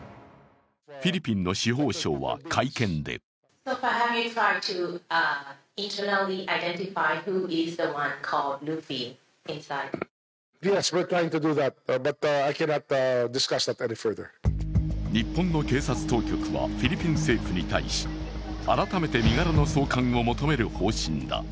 フィリピンの司法省は会見で日本の警察当局はフィリピン政府に対し改めて身柄の送還を求める方針だ。